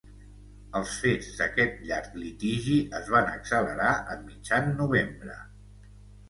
Els fets d’aquest llarg litigi es van accelerar a mitjan novembre.